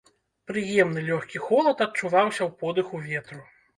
Прыемны лёгкі холад адчуваўся ў подыху ветру.